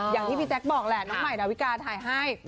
อย่างที่พี่แจ๊คบอกแหละน้องใหม่ดาวิกาถ่ายให้